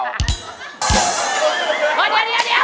เดี๋ยว